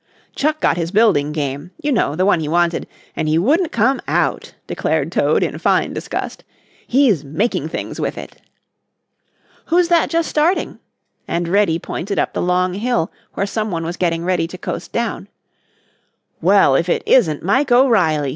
"Chuck got his building game; you know, the one he wanted, and he wouldn't come out," declared Toad in fine disgust. "He's making things with it." "Who's that just starting?" and Reddy pointed up the long hill where some one was getting ready to coast down. "Well, if it isn't Mike O'Reilly!"